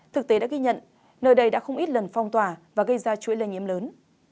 thực tế đã ghi nhận nơi đây đã không ít lần phong tỏa và gây ra chuỗi lây nhiễm lớn